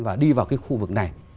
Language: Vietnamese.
và đi vào cái khu vực này